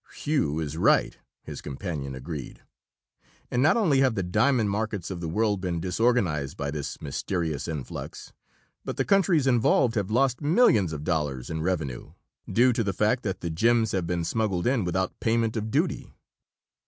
"Whew is right!" his companion agreed. "And not only have the diamond markets of the world been disorganized by this mysterious influx, but the countries involved have lost millions of dollars in revenue, due to the fact that the gems have been smuggled in without payment of duty."